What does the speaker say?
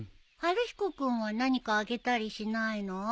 晴彦君は何かあげたりしないの？